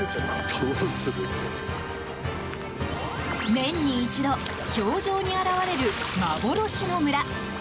年に一度氷上に現れる幻の村。